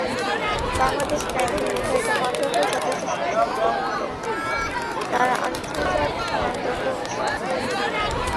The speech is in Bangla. বাংলাদেশ ব্যাংকের নির্ধারিত মানদণ্ড যথেষ্ট সুচিন্তিত, তারা আন্তর্জাতিক মানদণ্ড অনুসরণ করে।